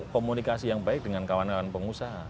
komunikasi yang baik dengan kawan kawan pengusaha